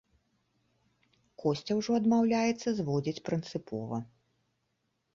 Косця ўжо адмаўляецца зводзіць прынцыпова.